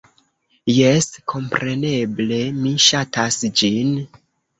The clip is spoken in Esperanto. "Jes, kompreneble, mi ŝatas ĝin!